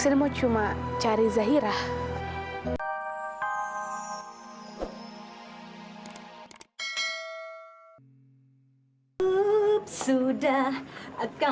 budi aku pinjam duit dong